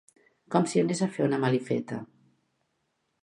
...com si anés a fer una malifeta.